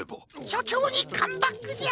しょちょうにカムバックじゃ！